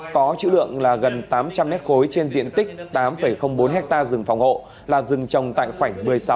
có chữ lượng gần tám trăm linh nét khối trên diện tích tám bốn ha rừng phòng hộ là rừng trồng tại khoảnh một mươi sáu